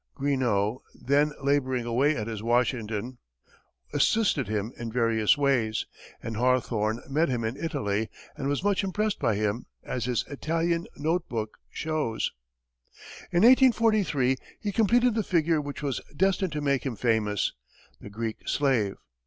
Greenough, then laboring away at his Washington, assisted him in various ways; and Hawthorne met him in Italy and was much impressed by him, as his "Italian Note Book" shows. In 1843, he completed the figure which was destined to make him famous, the "Greek Slave."